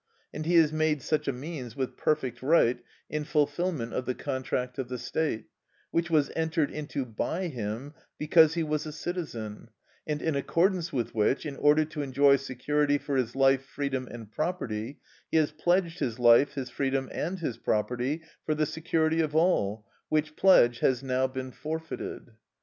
And he is made such a means with perfect right, in fulfilment of the contract of the state, which was entered into by him because he was a citizen, and in accordance with which, in order to enjoy security for his life, freedom, and property, he has pledged his life, his freedom, and his property for the security of all, which pledge has now been forfeited.